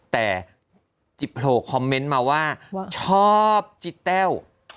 แต่จิโผล่คอมเมนต์มาว่าชอบจิแต้ว